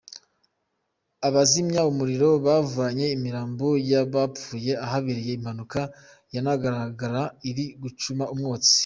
Abazimya umuriro bavanye imirambo y'abaapfuye ahabereye impanuka yanagaragaraga iri gucumba umwotsi.